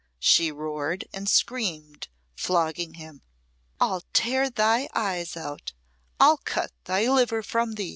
she roared and screamed, flogging him. "I'll tear thy eyes out! I'll cut thy liver from thee!